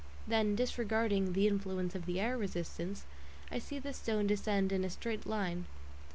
Then, disregarding the influence of the air resistance, I see the stone descend in a straight line.